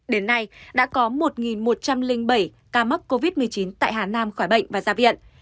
đến nay đã có một một trăm linh bảy ca mắc covid một mươi chín tại hà nam khỏi bệnh và ra viện